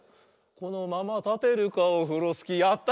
「このままたてるかオフロスキー」やった！